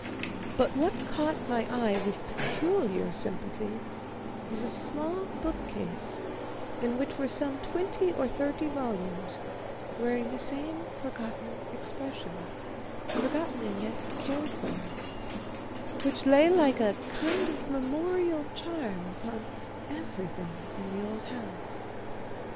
But what caught my eye with peculiar sympathy was a small bookcase, in which were some twenty or thirty volumes, wearing the same forgotten expression forgotten and yet cared for which lay like a kind of memorial charm upon everything in the old house.